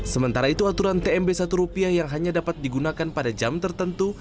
sementara itu aturan tmb satu rupiah yang hanya dapat digunakan pada jam tertentu